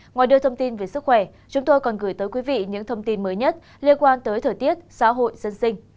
ngoài đưa thông tin về sức khỏe chúng tôi còn gửi tới quý vị những thông tin mới nhất liên quan tới thời tiết xã hội dân sinh